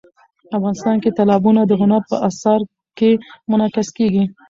افغانستان کې تالابونه د هنر په اثار کې منعکس کېږي.